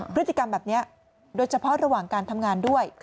พฤติกรรมแบบนี้โดยเฉพาะระหว่างการทำงานด้วย